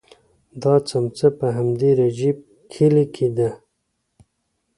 دا څمڅه په همدې رجیب کلي کې ده.